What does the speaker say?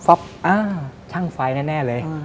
ช่างไฟแน่เลย